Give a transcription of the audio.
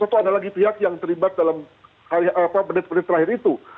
atau ada lagi pihak yang terlibat dalam menit menit terakhir itu